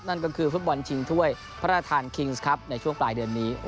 นั่นก็คือฟุตบอลชิงถ้วยพระราชทานคิงส์ครับในช่วงปลายเดือนนี้